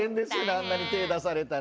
あんなに手出されたらね。